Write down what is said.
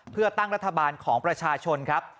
เพื่อตั้งรัฐบาลของประชาชนครับ